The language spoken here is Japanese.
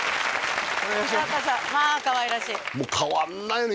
ようこそまあかわいらしい変わんないよね